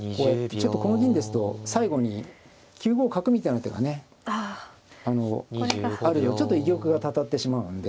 ちょっとこの銀ですと最後に９五角みたいな手がねあるのでちょっと居玉がたたってしまうんで。